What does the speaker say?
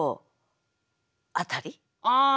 ああ